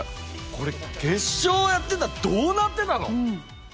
これ決勝やってたらどうなってたの。